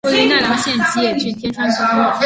位在奈良县吉野郡天川村。